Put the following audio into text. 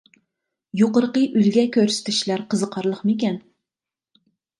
يۇقىرىقى ئۈلگە كۆرسىتىشلەر قىزىقارلىقمىكەن؟